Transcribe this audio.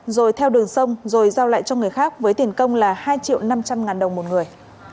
rồi theo đường sông rồi giao lại cho người khác với tiền công là hai triệu năm trăm linh ngàn đồng một người